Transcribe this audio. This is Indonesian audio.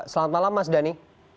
selamat malam mas dhani